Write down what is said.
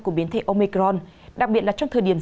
của biến thể omicron đặc biệt là trong thời điểm